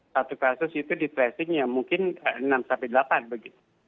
satu kasus itu di tracing ya mungkin enam sampai delapan begitu